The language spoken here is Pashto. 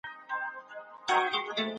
د خلګو مالونو ته په سپکه مه ګورئ.